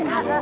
eh lah makan